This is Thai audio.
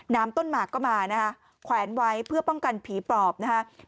น้ำต้นหมากก็มานะฮะแขวนไว้เพื่อป้องกันผีปลอบนะฮะ